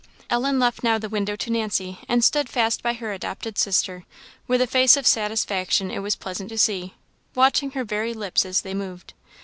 Ellen left now the window to Nancy, and stood fast by her adopted sister, with a face of satisfaction it was pleasant to see, watching her very lips as they moved.